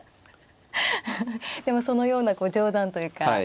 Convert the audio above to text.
でもそのような冗談というかそういう話も。